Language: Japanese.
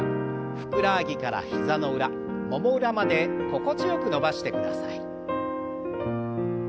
ふくらはぎから膝の裏もも裏まで心地よく伸ばしてください。